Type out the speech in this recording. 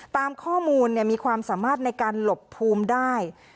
ตามข้อมูลมีความสามารถในการหลบภูมิได้